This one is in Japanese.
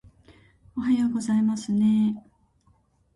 おはようございますねー